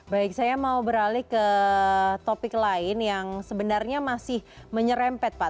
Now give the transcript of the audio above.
baik saya mau beralih ke topik lain yang sebenarnya masih menyerempet pak